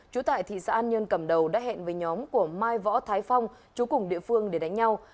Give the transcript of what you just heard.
chú tại thị xã an nhơn cầm đầu đã hẹn với nhóm của mai võ thái phong chú cùng địa phương để đánh nhau